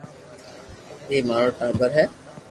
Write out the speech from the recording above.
ٻي مارو ٽاٻر ھي